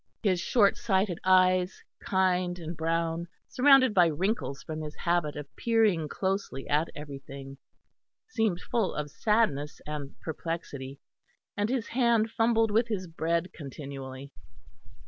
His short sighted eyes, kind and brown, surrounded by wrinkles from his habit of peering closely at everything, seemed full of sadness and perplexity, and his hand fumbled with his bread continually.